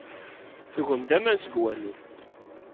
Tugem-d aman seg wanu.